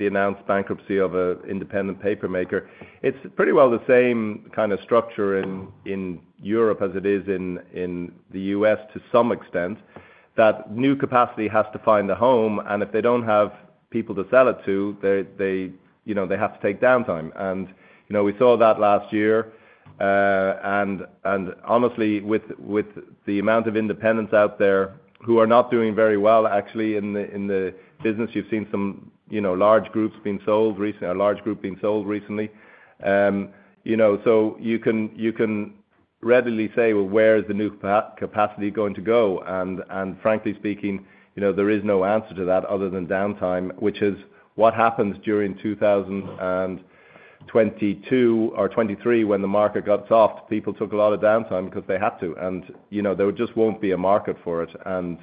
announced bankruptcy of an independent papermaker. It's pretty well the same kind of structure in Europe as it is in the U.S. to some extent. That new capacity has to find a home. And if they don't have people to sell it to, they have to take downtime. And we saw that last year. And honestly, with the amount of independents out there who are not doing very well, actually, in the business, you've seen some large groups being sold recently, a large group being sold recently. So you can readily say, "Well, where is the new capacity going to go?" And frankly speaking, there is no answer to that other than downtime, which is what happens during 2022 or 2023 when the market got soft. People took a lot of downtime because they had to. And there just won't be a market for it. And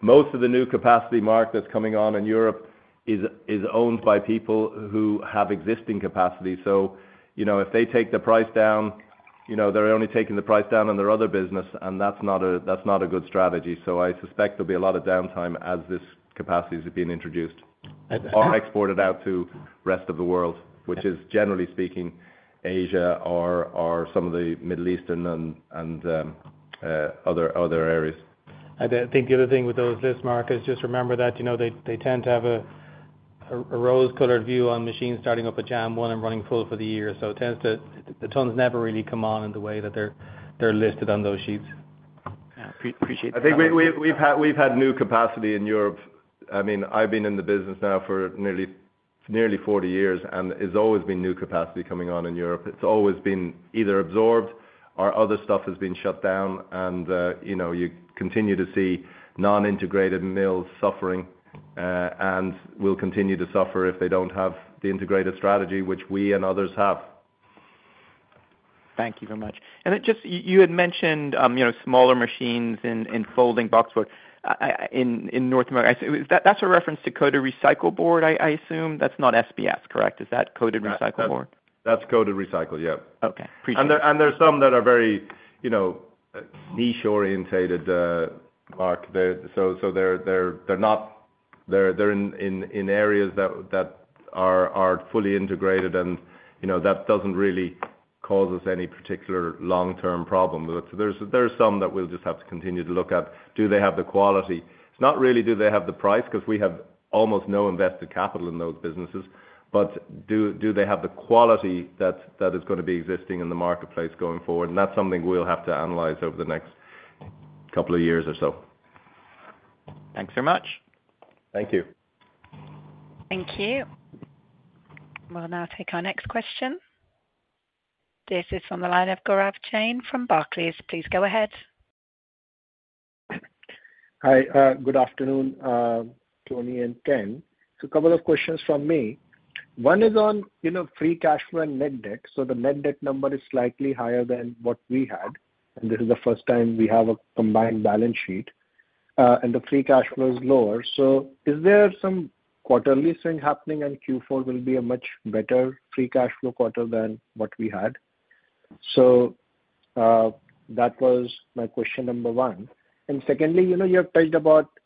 most of the new capacity market that's coming on in Europe is owned by people who have existing capacity. So if they take the price down, they're only taking the price down on their other business, and that's not a good strategy. So I suspect there'll be a lot of downtime as this capacity is being introduced or exported out to the rest of the world, which is, generally speaking, Asia or some of the Middle Eastern and other areas. I think the other thing with those lists, Mark, is just remember that they tend to have a rose-colored view on machines starting up at Jan 1 and running full for the year, so the tons never really come on in the way that they're listed on those sheets. Yeah. Appreciate that. I think we've had new capacity in Europe. I mean, I've been in the business now for nearly 40 years, and there's always been new capacity coming on in Europe. It's always been either absorbed or other stuff has been shut down, and you continue to see non-integrated mills suffering, and will continue to suffer if they don't have the integrated strategy, which we and others have. Thank you very much. And you had mentioned smaller machines in folding boxboard in North America. That's a reference to coated recycled board, I assume? That's not SBS, correct? Is that coated recycled board? That's coated recycled board, yeah. Okay. Appreciate that. And there's some that are very niche-oriented, Mark. So they're in areas that are fully integrated, and that doesn't really cause us any particular long-term problem. There's some that we'll just have to continue to look at. Do they have the quality? It's not really do they have the price because we have almost no invested capital in those businesses. But do they have the quality that is going to be existing in the marketplace going forward? And that's something we'll have to analyze over the next couple of years or so. Thanks very much. Thank you. Thank you. We'll now take our next question. This is from the line of Gaurav Jain from Barclays. Please go ahead. Hi. Good afternoon, Tony and Ken. So a couple of questions from me. One is on free cash flow and net debt. So the net debt number is slightly higher than what we had. And this is the first time we have a combined balance sheet. And the free cash flow is lower. So is there some quarterly swing happening and Q4 will be a much better free cash flow quarter than what we had? So that was my question number one. And secondly, you have touched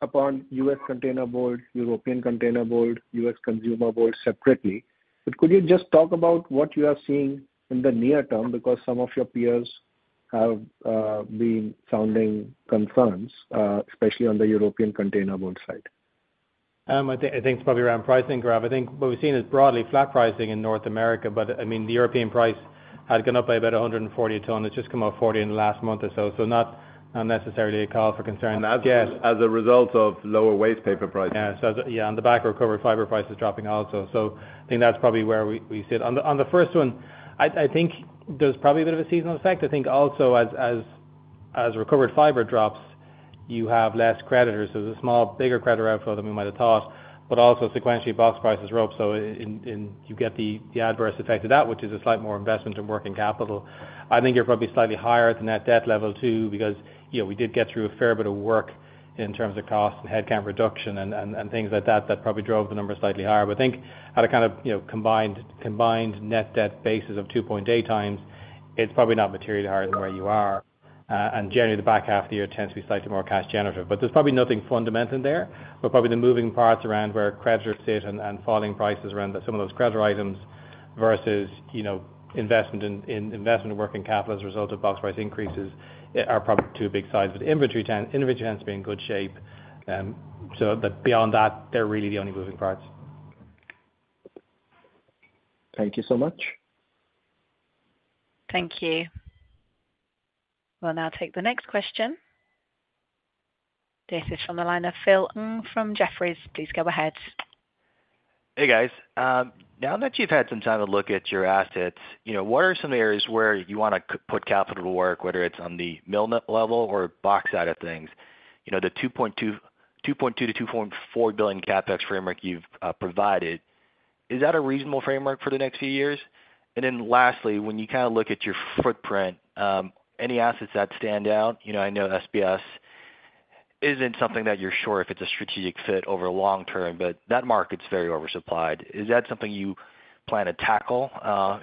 upon US containerboard, European containerboard, US consumer board separately. But could you just talk about what you are seeing in the near term because some of your peers have been sounding concerns, especially on the European containerboard side? I think it's probably around pricing, Gaurav. I think what we've seen is broadly flat pricing in North America. But I mean, the European price had gone up by about 140 a ton. It's just come up 40 in the last month or so. So not necessarily a cause for concern. That's as a result of lower waste paper prices. Yeah. Yeah. And the bulk recovered fiber price is dropping also. So I think that's probably where we sit. On the first one, I think there's probably a bit of a seasonal effect. I think also, as recovered fiber drops, you have less creditors. There's a slightly bigger creditor outflow than we might have thought, but also sequentially box prices rose. So you get the adverse effect of that, which is a slightly more investment in working capital. I think you're probably slightly higher at the net debt level too because we did get through a fair bit of work in terms of cost and headcount reduction and things like that that probably drove the number slightly higher. But I think at a kind of combined net debt basis of 2.8 times, it's probably not materially higher than where you are. Generally, the back half of the year tends to be slightly more cash generative. But there's probably nothing fundamental there. But probably the moving parts around where creditors sit and falling prices around some of those creditor items versus investment and working capital as a result of box price increases are probably two big sides. But inventory tends to be in good shape. So beyond that, they're really the only moving parts. Thank you so much. Thank you. We'll now take the next question. This is from the line of Philip Ng from Jefferies. Please go ahead. Hey, guys. Now that you've had some time to look at your assets, what are some areas where you want to put capital to work, whether it's on the mill level or box side of things? The $2.2-$2.4 billion CapEx framework you've provided, is that a reasonable framework for the next few years? And then lastly, when you kind of look at your footprint, any assets that stand out? I know SBS isn't something that you're sure if it's a strategic fit over the long term, but that market's very oversupplied. Is that something you plan to tackle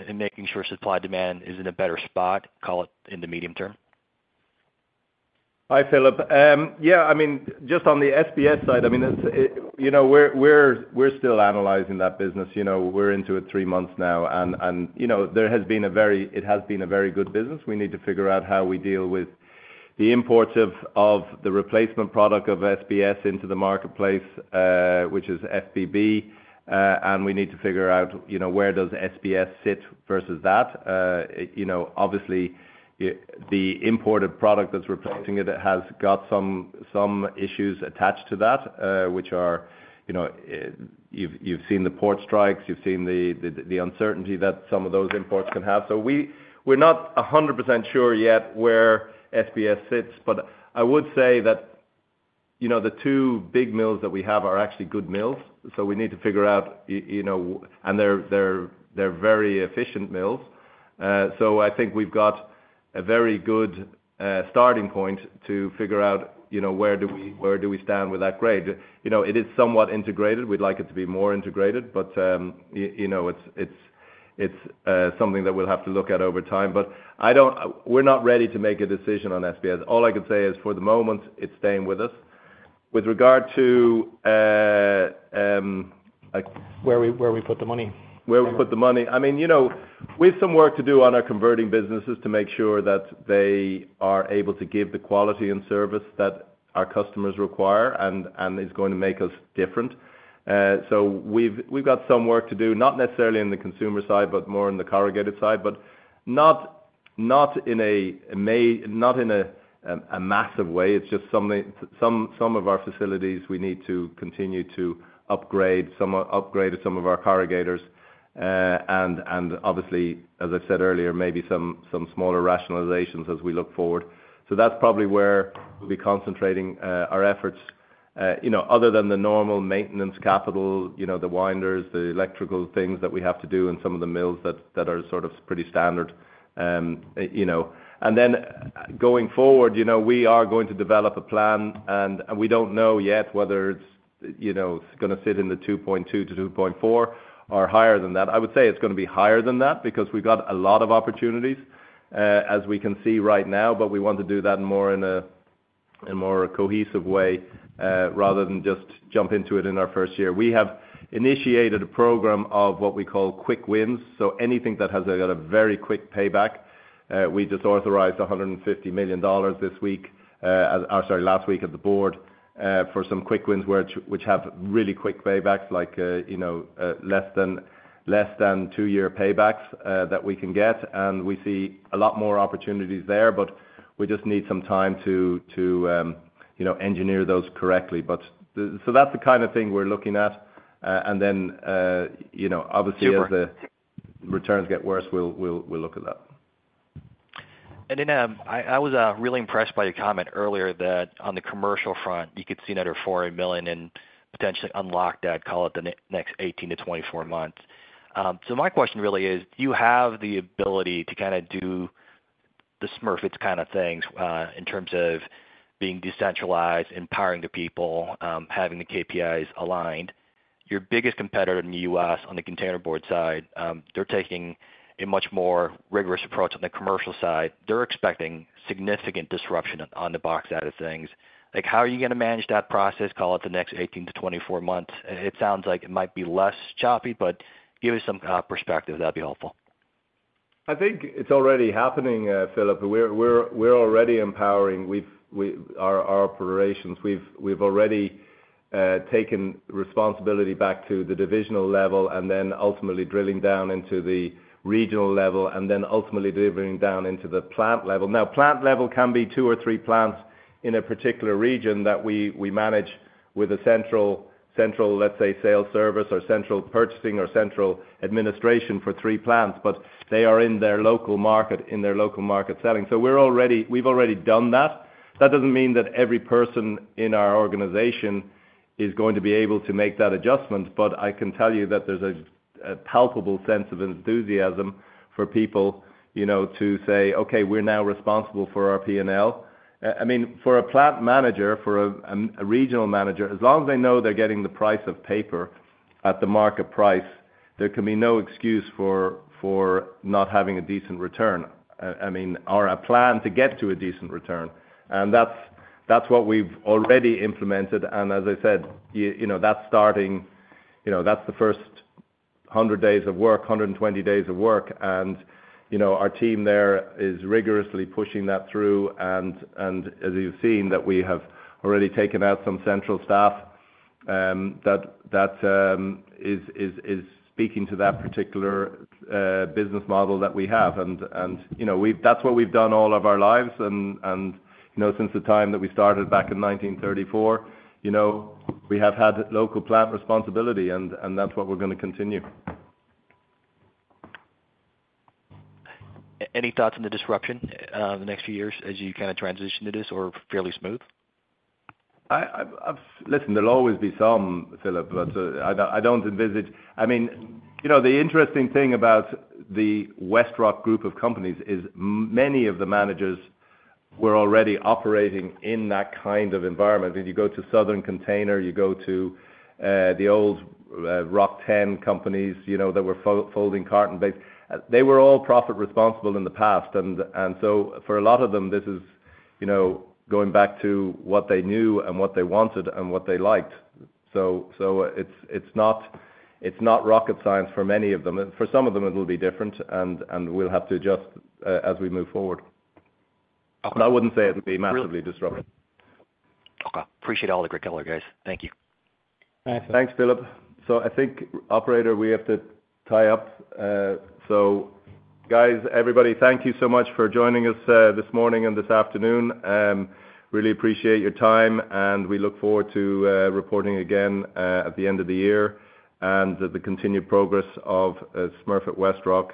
in making sure supply demand is in a better spot, call it, in the medium term? Hi, Philip. Yeah. I mean, just on the SBS side, I mean, we're still analyzing that business. We're into it three months now. And it has been a very good business. We need to figure out how we deal with the imports of the replacement product of SBS into the marketplace, which is FBB. And we need to figure out where does SBS sit versus that. Obviously, the imported product that's replacing it has got some issues attached to that, which are. You've seen the port strikes. You've seen the uncertainty that some of those imports can have. So we're not 100% sure yet where SBS sits. But I would say that the two big mills that we have are actually good mills. So we need to figure out, and they're very efficient mills. So I think we've got a very good starting point to figure out where do we stand with that grade. It is somewhat integrated. We'd like it to be more integrated. But it's something that we'll have to look at over time. But we're not ready to make a decision on SBS. All I can say is, for the moment, it's staying with us. With regard to. Where we put the money. Where we put the money. I mean, we have some work to do on our converting businesses to make sure that they are able to give the quality and service that our customers require and is going to make us different. So we've got some work to do, not necessarily in the consumer side, but more in the corrugated side, but not in a massive way. It's just some of our facilities. We need to continue to upgrade some of our corrugators. And obviously, as I've said earlier, maybe some smaller rationalizations as we look forward. So that's probably where we'll be concentrating our efforts other than the normal maintenance capital, the winders, the electrical things that we have to do in some of the mills that are sort of pretty standard. And then going forward, we are going to develop a plan. We don't know yet whether it's going to sit in the 2.2-2.4 or higher than that. I would say it's going to be higher than that because we've got a lot of opportunities as we can see right now. But we want to do that in more of a cohesive way rather than just jump into it in our first year. We have initiated a program of what we call quick wins. So anything that has a very quick payback, we just authorized $150 million this week, sorry, last week at the board for some quick wins which have really quick paybacks, like less than two-year paybacks that we can get. And we see a lot more opportunities there. But we just need some time to engineer those correctly. So that's the kind of thing we're looking at. Obviously, as the returns get worse, we'll look at that. And I was really impressed by your comment earlier that on the commercial front, you could see another 40 million and potentially unlock that, call it, the next 18-24 months. So my question really is, do you have the ability to kind of do the Smurfit kind of things in terms of being decentralized, empowering the people, having the KPIs aligned? Your biggest competitor in the U.S. on the containerboard side, they're taking a much more rigorous approach on the commercial side. They're expecting significant disruption on the box side of things. How are you going to manage that process, call it, the next 18-24 months? It sounds like it might be less choppy. But give us some perspective. That'd be helpful. I think it's already happening, Phil. We're already empowering our operations. We've already taken responsibility back to the divisional level and then ultimately drilling down into the regional level and then ultimately delivering down into the plant level. Now, plant level can be two or three plants in a particular region that we manage with a central, let's say, sales service or central purchasing or central administration for three plants. But they are in their local market, in their local market selling. So we've already done that. That doesn't mean that every person in our organization is going to be able to make that adjustment. But I can tell you that there's a palpable sense of enthusiasm for people to say, "Okay, we're now responsible for our P&L." I mean, for a plant manager, for a regional manager, as long as they know they're getting the price of paper at the market price, there can be no excuse for not having a decent return, I mean, or a plan to get to a decent return. And that's what we've already implemented. And as I said, that's starting-that's the first 100 days of work, 120 days of work. And our team there is rigorously pushing that through. And as you've seen that we have already taken out some central staff, that is speaking to that particular business model that we have. And that's what we've done all of our lives. And since the time that we started back in 1934, we have had local plant responsibility. That's what we're going to continue. Any thoughts on the disruption in the next few years as you kind of transition to this or fairly smooth? Listen, there'll always be some, Philip, but I don't envisage, I mean, the interesting thing about the WestRock Group of companies is many of the managers were already operating in that kind of environment, and you go to Southern Container, you go to the old Rock-Tenn companies that were folding carton-based. They were all profit-responsible in the past, and so for a lot of them, this is going back to what they knew and what they wanted and what they liked, so it's not rocket science for many of them. For some of them, it'll be different, and we'll have to adjust as we move forward, but I wouldn't say it'll be massively disruptive. Okay. Appreciate all the great color, guys. Thank you. Thanks, Phil. So I think, operator, we have to tie up. So guys, everybody, thank you so much for joining us this morning and this afternoon. Really appreciate your time. And we look forward to reporting again at the end of the year and the continued progress of Smurfit Westrock.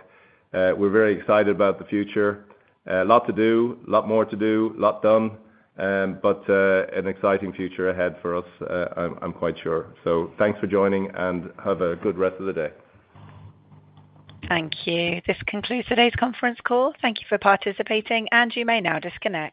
We're very excited about the future. A lot to do, a lot more to do, a lot done. But an exciting future ahead for us, I'm quite sure. So thanks for joining. And have a good rest of the day. Thank you. This concludes today's conference call. Thank you for participating. And you may now disconnect.